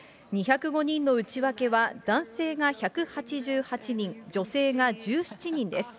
２０５人の内訳は、男性が１８８人、女性が１７人です。